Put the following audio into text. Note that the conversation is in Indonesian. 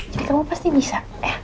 jadi kamu pasti bisa